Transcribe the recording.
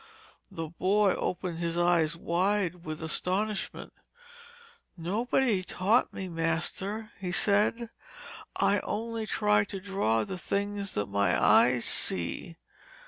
The boy opened his eyes wide with astonishment 'Nobody taught me, master,' he said. 'I only try to draw the things that my eyes see.'